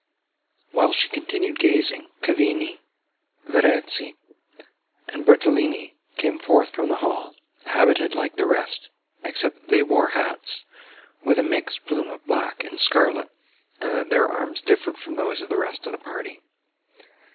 While she continued gazing, Cavigni, Verezzi, and Bertolini came forth from the hall, habited like the rest, except that they wore hats, with a mixed plume of black and scarlet, and that their arms differed from those of the rest of the party.